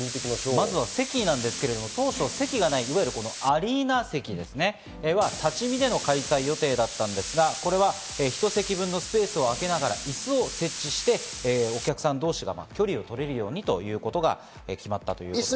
まずは席ですけど、当初席がないアリーナ席、立ち見での開催予定だったんですが、１席分のスペースをあけながら椅子を設置して、お客さん同士が距離を取れるようにということが決まったということです。